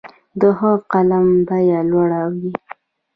د ښه قلم بیه لوړه وي.